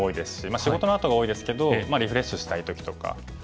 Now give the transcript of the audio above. まあ仕事のあとが多いですけどリフレッシュしたい時とか。